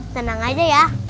tenang aja ya